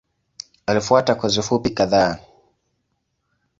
Alifuata kozi fupi kadhaa.